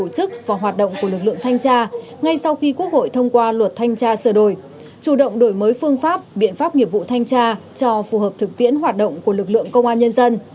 chủ động đổi mới phương pháp biện pháp nghiệp vụ thanh tra cho phù hợp thực tiễn hoạt động của lực lượng công an nhân dân